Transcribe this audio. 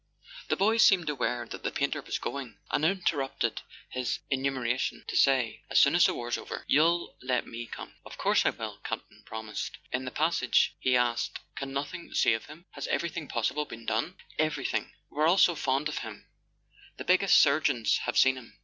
The boy seemed aware that the painter was going, and interrupted his enumer¬ ation to say: "As soon as the war's over you'll let me come ?" "Of course I will," Campton promised. In the passage he asked: "Can nothing save him? Has everything possible been done ?" "Everything. We're all so fond of him—the biggest surgeons have seen him.